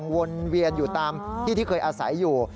วนเวียนอยู่ตามที่ที่เคยอาศัยอยู่